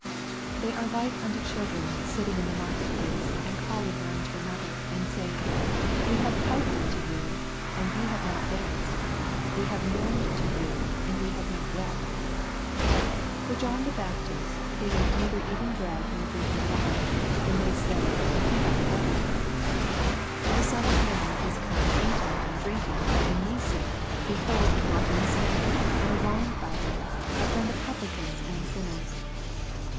82 Thev are like unto children Bit ting in the marketplaoe, and calling one to another, and saying, We have Siped unto von, and ye have not anced ; we have moarned to yon, «mdye have not wept. 88 For John the Baptist came nei ther eating bread nor drinking wine; and ye say. He hath a devil* 84 The son of man is come eating and drinking ; and ye saj, Behold n fflattonons man, and a wmebibber, a mend of Publicans and sinners